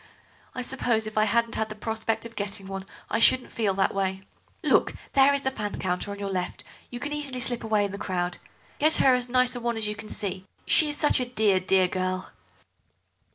I suppose if I hadn't had the prospect of getting one I shouldn't feel that way. Look, there is the fan counter, on your left; you can easily slip away in the crowd. Get her as nice a one as you can see—she is such a dear, dear girl."